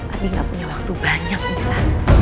tapi gak punya waktu banyak bisa